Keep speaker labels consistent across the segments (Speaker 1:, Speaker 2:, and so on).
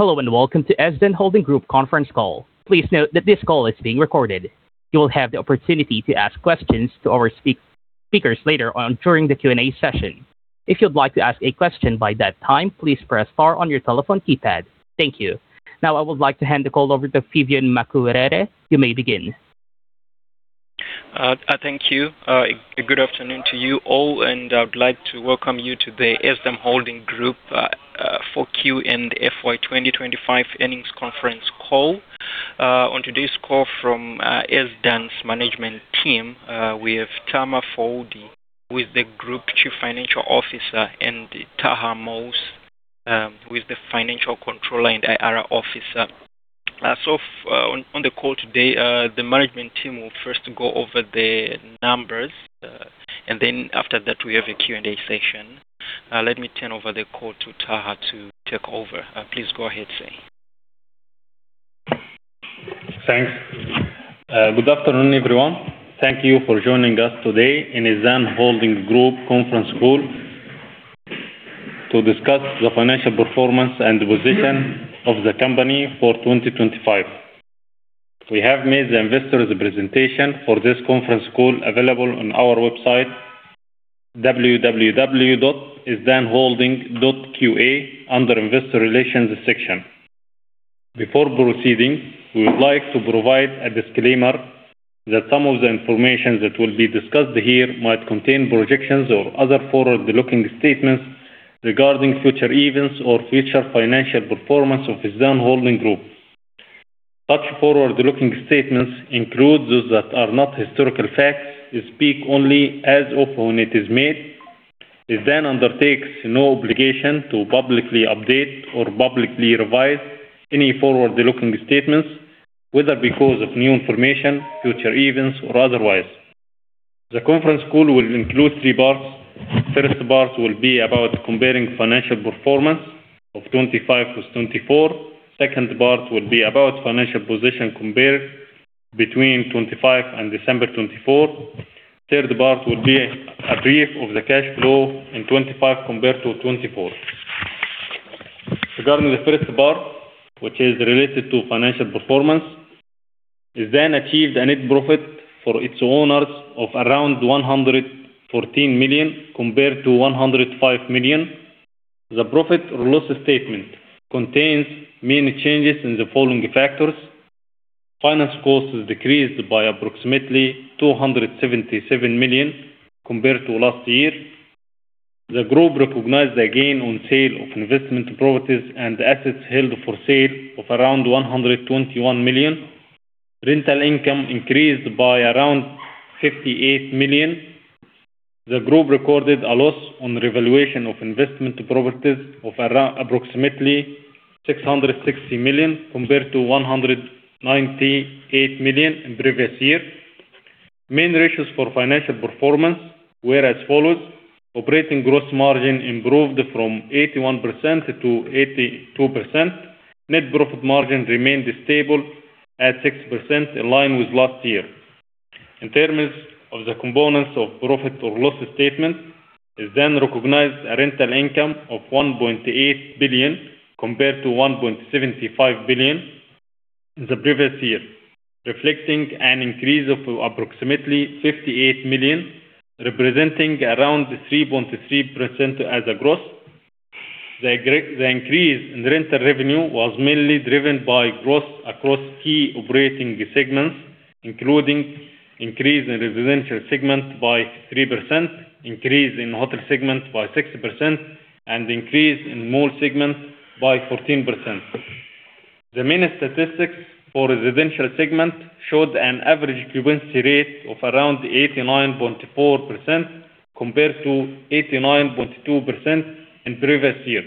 Speaker 1: Hello, Welcome to Ezdan Holding Group Conference Call. Please note that this call is being recorded. You will have the opportunity to ask questions to our speakers later on during the Q&A session. If you'd like to ask a question by that time, please press star on your telephone keypad. Thank you. Now, I would like to hand the call over to Phibion Makuwerere. You may begin.
Speaker 2: Thank you. Good afternoon to you all, and I would like to Welcome you to the Ezdan Holding Group 4Q and FY 2025 Earnings Conference Call. On today's call from Ezdan's management team, we have Tamer Fouad, who is the Group Chief Financial Officer, and Taha Moursi, who is the Financial Controller and IR Officer. On the call today, the management team will first go over the numbers, and then after that, we have a Q&A session. Let me turn over the call to Taha to take over. Please go ahead, sir.
Speaker 3: Thanks. Good afternoon, everyone. Thank you for joining us today in Ezdan Holding Group conference call to discuss the financial performance and position of the company for 2025. We have made the investor's presentation for this conference call available on our website, www.ezdanholding.qa, under Investor Relations section. Before proceeding, we would like to provide a disclaimer that some of the information that will be discussed here might contain projections or other forward-looking statements regarding future events or future financial performance of Ezdan Holding Group. Such forward-looking statements include those that are not historical facts, they speak only as of when it is made. Ezdan undertakes no obligation to publicly update or publicly revise any forward-looking statements, whether because of new information, future events, or otherwise. The conference call will include three parts. First part will be about comparing financial performance of 2025 with 2024. Second part will be about financial position compared between 25 and December 2024. Third part will be a brief of the cash flow in 25 compared to 24. Regarding the first part, which is related to financial performance, Ezdan achieved a net profit for its owners of around 114 million, compared to 105 million. The profit or loss statement contains main changes in the following factors: Finance costs decreased by approximately 277 million compared to last year. The group recognized a gain on sale of investment properties and assets held for sale of around 121 million. Rental income increased by around 58 million. The group recorded a loss on revaluation of investment properties of approximately 660 million, compared to 198 million in previous year. Main ratios for financial performance were as follows: Operating gross margin improved from 81% to 82%. Net profit margin remained stable at 6%, in line with last year. In terms of the components of profit or loss statement, Ezdan recognized a rental income of 1.8 billion, compared to 1.75 billion in the previous year, reflecting an increase of approximately 58 million, representing around 3.3% as a growth. The increase in rental revenue was mainly driven by growth across key operating segments, including increase in residential segment by 3%, increase in hotel segment by 6%, and increase in mall segment by 14%. The main statistics for residential segment showed an average occupancy rate of around 89.4%, compared to 89.2% in previous year.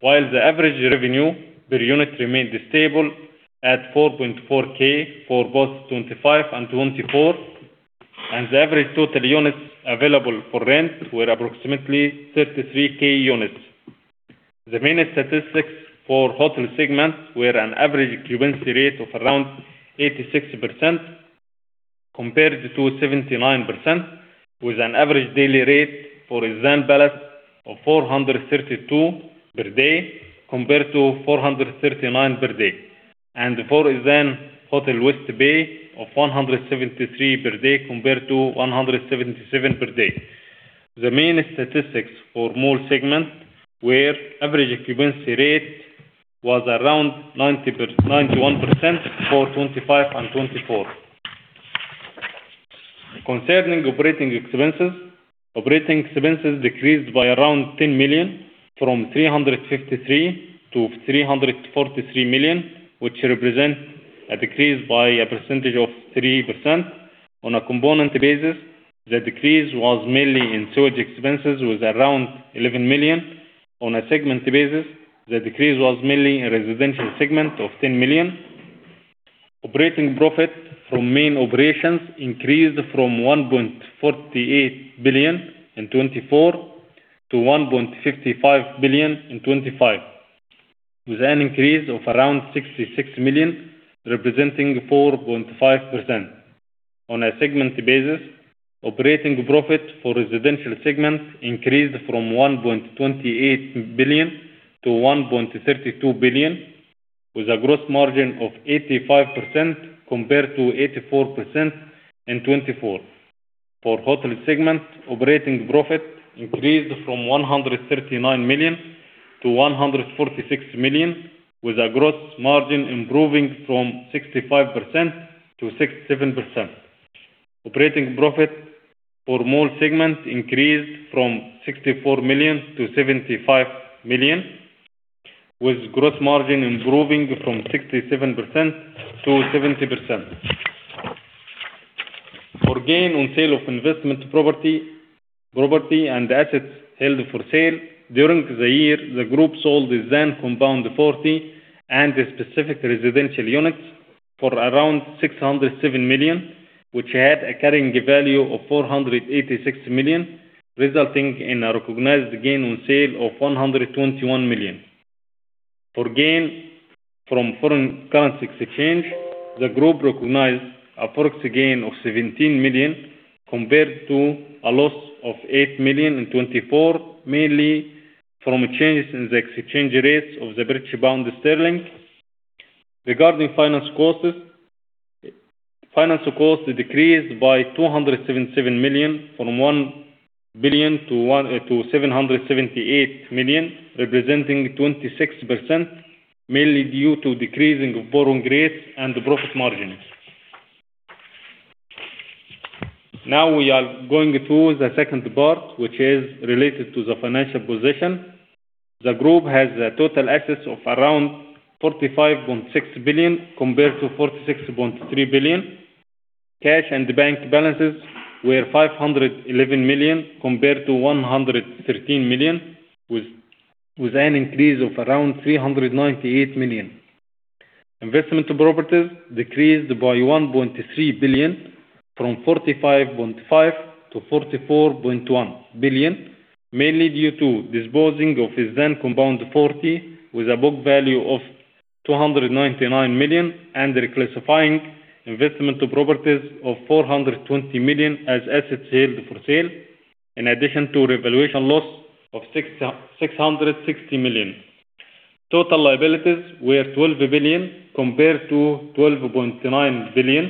Speaker 3: While the average revenue per unit remained stable at 4.4K for both 2025 and 2024, and the average total units available for rent were approximately 33K units. The main statistics for hotel segment were an average occupancy rate of around 86%, compared to 79%, with an average daily rate for Ezdan Palace of 432 per day, compared to 439 per day, and for Ezdan Hotel, West Bay of 173 per day, compared to 177 per day. The main statistics for mall segment were average occupancy rate was around 91% for 2025 and 2024. Concerning operating expenses, operating expenses decreased by around 10 million, from 353 million to 343 million, which represent a decrease by a percentage of 3%. On a component basis, the decrease was mainly in sewage expenses, with around 11 million. On a segment basis, the decrease was mainly in residential segment of 10 million. Operating profit from main operations increased from 1.48 billion in 2024 to 1.55 billion in 2025, with an increase of around 66 million, representing 4.5%. On a segment basis, operating profit for residential segment increased from 1.28 billion-1.32 billion, with a gross margin of 85% compared to 84% in 2024. For hotel segment, operating profit increased from 139 million-146 million, with a gross margin improving from 65%-67%. Operating profit for mall segment increased from 64 million-75 million, with gross margin improving from 67%-70%. For gain on sale of investment property and assets held for sale, during the year, the group sold the Ezdan Compound 40 and the specific residential units for around 607 million, which had a carrying value of 486 million, resulting in a recognized gain on sale of 121 million. For gain from foreign currency exchange, the group recognized a Forex gain of 17 million compared to a loss of 8 million in 2024, mainly from changes in the exchange rates of the British pound sterling. Regarding finance costs, finance costs decreased by 277 million, from 1 billion-778 million, representing 26%, mainly due to decreasing of borrowing rates and profit margins. We are going to the second part, which is related to the financial position. The group has a total assets of around 45.6 billion compared to 46.3 billion. Cash and bank balances were 511 million compared to 113 million, with an increase of around 398 million. Investment properties decreased by 1.3 billion, from 45.5 billion to 44.1 billion, mainly due to disposing of Ezdan Compound forty, with a book value of 299 million, and reclassifying investment to properties of 420 million as Assets held for sale, in addition to revaluation loss of 660 million. Total liabilities were 12 billion compared to 12.9 billion.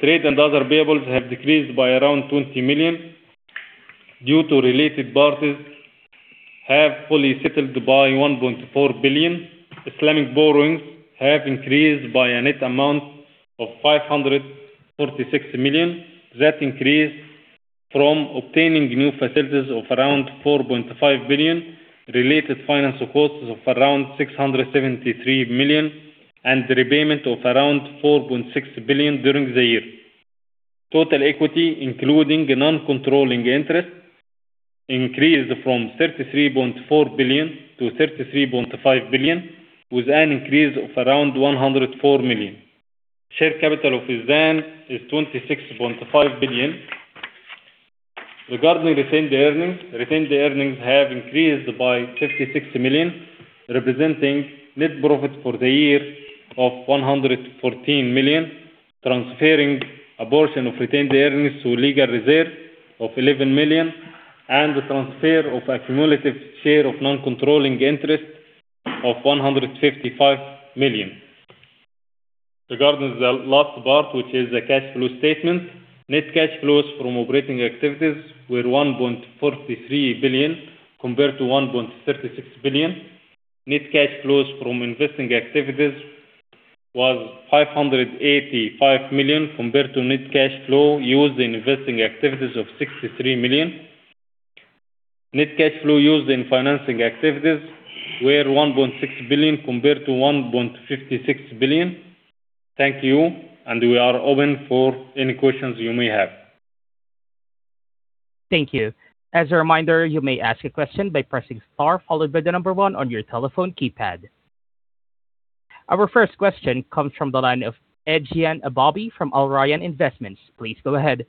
Speaker 3: Trade and other payables have decreased by around 20 million due to related parties have fully settled by 1.4 billion. Islamic borrowings have increased by a net amount of 546 million. That increased from obtaining new facilities of around 4.5 billion, related finance costs of around 673 million, and repayment of around 4.6 billion during the year. Total equity, including non-controlling interest, increased from 33.4 billion-33.5 billion, with an increase of around 104 million. Share capital of Ezdan is 26.5 billion. Regarding retained earnings, retained earnings have increased by 56 million, representing net profit for the year of 114 million, transferring abortion of retained earnings to legal reserve of 11 million, and the transfer of a cumulative share of non-controlling interest of 155 million. Regarding the last part, which is the cash flow statement, net cash flows from operating activities were 1.43 billion compared to 1.36 billion. Net cash flows from investing activities was 585 million compared to net cash flow used in investing activities of 63 million. Net cash flow used in financing activities were 1.6 billion compared to 1.56 billion. Thank you. We are open for any questions you may have.
Speaker 1: Thank you. As a reminder, you may ask a question by pressing star followed by the number one on your telephone keypad. Our first question comes from the line of Ejayan Ahbabi from Al Rayan Investment. Please go ahead.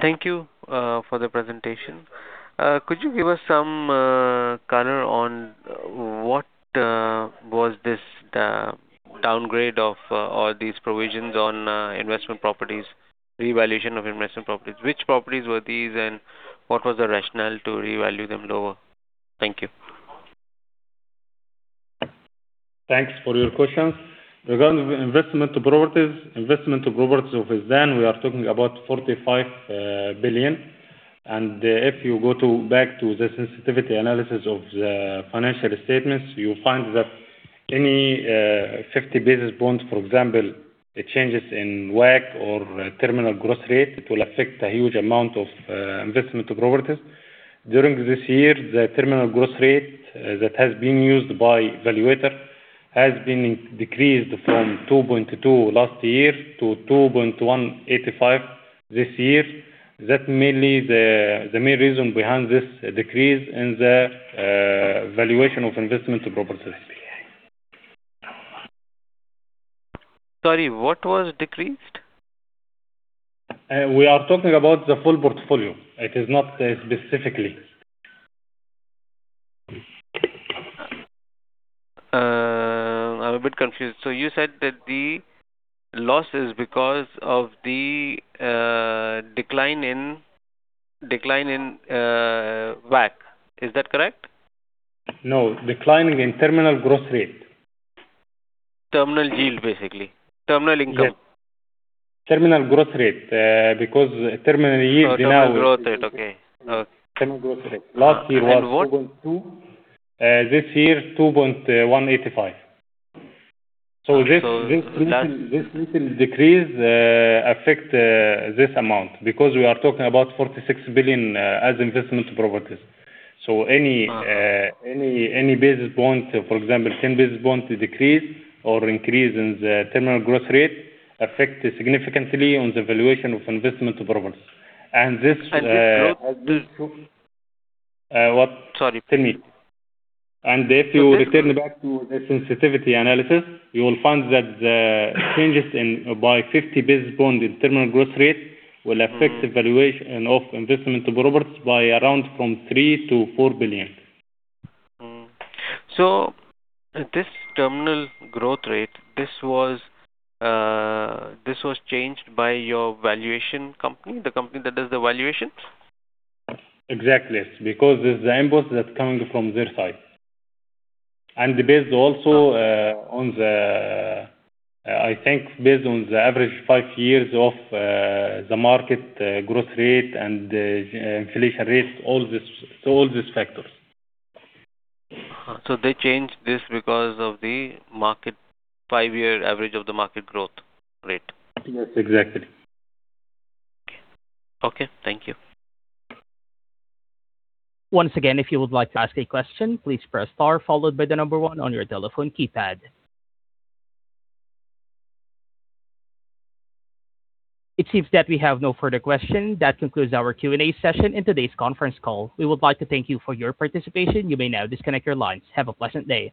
Speaker 4: Thank you for the presentation. Could you give us some color on what was this downgrade of or these provisions on investment properties, revaluation of investment properties? Which properties were these, and what was the rationale to revalue them lower? Thank you.
Speaker 3: Thanks for your questions. Regarding the investment properties, investment properties of Ezdan, we are talking about 45 billion. If you back to the sensitivity analysis of the financial statements, you find that any, 50 basis points, for example, the changes in WACC or terminal growth rate, it will affect a huge amount of, investment properties. During this year, the terminal growth rate, that has been used by valuator has been decreased from 2.2 last year to 2.185 this year. That's mainly The main reason behind this decrease in the valuation of investment properties.
Speaker 4: Sorry, what was decreased?
Speaker 3: We are talking about the full portfolio. It is not specifically.
Speaker 4: I'm a bit confused. You said that the loss is because of the decline in WACC, is that correct?
Speaker 3: No, declining in terminal growth rate.
Speaker 4: Terminal yield, basically. Terminal income.
Speaker 3: Yes. Terminal growth rate, because terminal value.
Speaker 4: Oh, terminal growth rate. Okay. Oh.
Speaker 3: Terminal growth rate. Last year was 2.2, this year, 2.185. This little decrease affect this amount because we are talking about 46 billion as investment properties. Any.
Speaker 4: Uh.
Speaker 3: Any basis point, for example, 10 basis point decrease or increase in the terminal growth rate affect significantly on the valuation of investment properties.
Speaker 4: And this.
Speaker 3: What?
Speaker 4: Sorry.
Speaker 3: Continue. If you return back to the sensitivity analysis, you will find that the changes in by 50 basis point in terminal growth rate will affect the valuation of investment properties by around from 3 billion-4 billion.
Speaker 4: This terminal growth rate, this was changed by your valuation company, the company that does the valuations?
Speaker 3: Exactly. Because it's the input that's coming from their side. Based also on the average five years of the market growth rate and the inflation rate, all these, so all these factors.
Speaker 4: They changed this because of the market five-year average of the market growth rate?
Speaker 3: Yes, exactly.
Speaker 4: Okay. Thank you.
Speaker 1: Once again, if you would like to ask a question, please press Star followed by the number one on your telephone keypad. It seems that we have no further questions. That concludes our Q&A session and today's conference call. We would like to thank you for your participation. You may now disconnect your lines. Have a pleasant day.